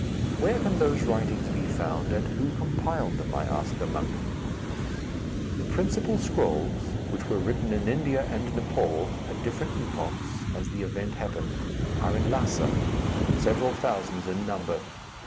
"Where can those writings be found, and who compiled them?" I asked the monk. "The principal scrolls which were written in India and Nepaul, at different epochs, as the events happened are in Lhassa; several thousands in number.